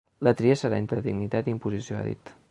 La tria serà entre dignitat i imposició, ha dit.